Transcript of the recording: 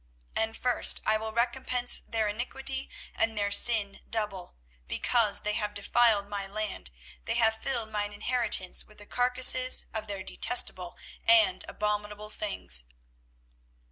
24:016:018 And first I will recompense their iniquity and their sin double; because they have defiled my land, they have filled mine inheritance with the carcases of their detestable and abominable things.